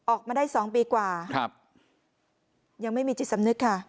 ออกมาได้๒ปีกว่า